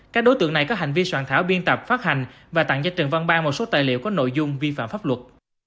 các đối tượng này có hành vi soạn thảo biên tập phát hành và tặng cho trần văn ban một số tài liệu có nội dung vi phạm pháp luật